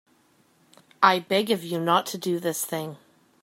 I beg of you not to do this thing.